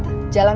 gak ada jalan